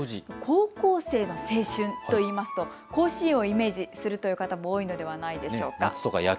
高校生の青春といいますと、甲子園をイメージするという方も多いのではないでしょうか。